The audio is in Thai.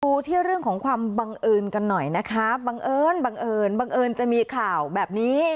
ดูที่เรื่องของความบังเอิญกันหน่อยนะคะบังเอิญบังเอิญบังเอิญจะมีข่าวแบบนี้